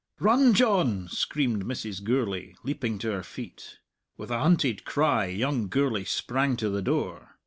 "Run, John!" screamed Mrs. Gourlay, leaping to her feet. With a hunted cry young Gourlay sprang to the door.